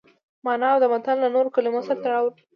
مانا او د متن له نورو کلمو سره تړاو ورکوي.